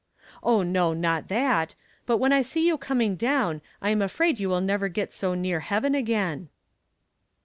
"Oh, no, not that; but when I see you coming down I am afraid you will never get so near heaven again."